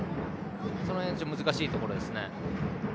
その辺は難しいところですね。